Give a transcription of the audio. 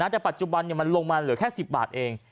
แต่ปัจจุบันมันลงมาเหลือแค่๑๐บาทเอง